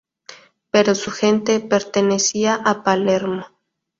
Pero su gente, pertenecía a Palermo.